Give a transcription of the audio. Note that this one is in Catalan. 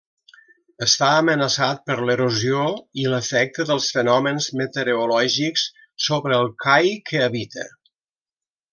Està amenaçat per l'erosió i l'efecte dels fenòmens meteorològics sobre el cai que habita.